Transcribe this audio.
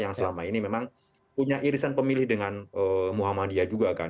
yang selama ini memang punya irisan pemilih dengan muhammadiyah juga kan